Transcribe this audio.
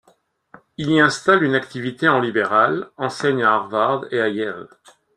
Il y installe une activité en libéral, enseigne à Harvard et à Yale.